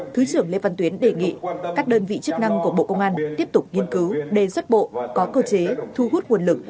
thứ trưởng lê văn tuyến đề nghị các đơn vị chức năng của bộ công an tiếp tục nghiên cứu đề xuất bộ có cơ chế thu hút nguồn lực